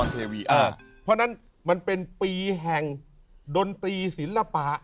เพราะฉะนั้นมันเป็นปีแห่งดนตรีศิลปะ